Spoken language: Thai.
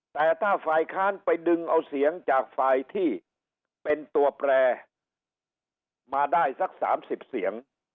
แต่ถ้าฝ่ายค้านไปดึงเอาเสียงจากฝ่ายที่เป็นตัวแปรมาได้สัก๓๐เสียง